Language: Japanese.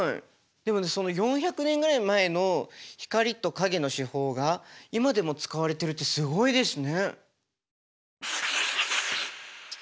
でも４００年ぐらい前の光と影の手法が今でも使われてるってすごいですね。